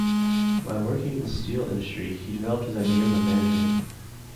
While working in the steel industry he developed his ideas on management.